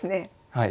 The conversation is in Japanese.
はい。